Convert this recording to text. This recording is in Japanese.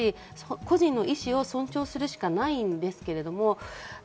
個人の意思を尊重するしかないんですけれど。